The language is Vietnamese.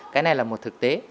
cái này là một thực tế